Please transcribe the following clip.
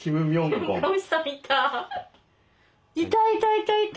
いたいたいたいた。